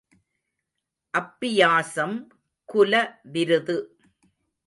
அப்பியாசம் குல விருது.